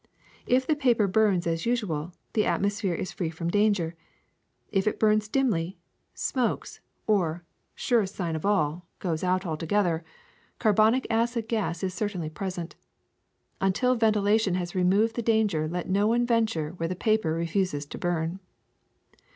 If the paper burns as usual, the atmosphere is free from danger ; if it burns dimly, smokes, or, surest sign of all, goes 308 THE SECRET OF EVERYDAY THINGS out altogether, carbonic acid gas is certainly present. Until ventilation has removed the danger let no one venture where the paper refuses to burn.